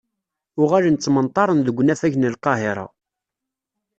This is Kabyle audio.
Uɣalen ttmenṭaren deg unafag n Lqahira.